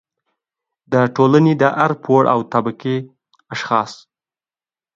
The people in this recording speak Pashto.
د ټولنې د هر پوړ او طبقې اشخاص